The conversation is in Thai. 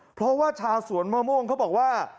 เพราะว่าชาวสวนมะม่วงเขาบอกว่า